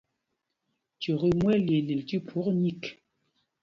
Cyûk i mu malyeelyel tí phwok nyik.